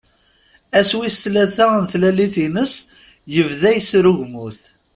Ass wis tlata n tlalit-ines, yebda yesrugmut.